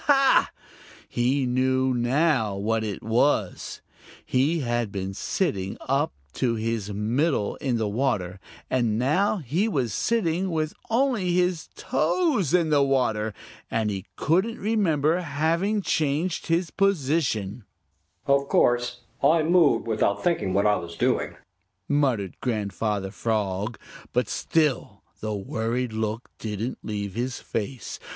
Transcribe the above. Ha! he knew now what it was! He had been sitting up to his middle in water, and now he was sitting with only his toes in the water, and he couldn't remember having changed his position! "Of course, I moved without thinking what I was doing," muttered Grandfather Frog, but still the worried look didn't leave his face.